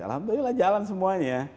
alhamdulillah jalan semuanya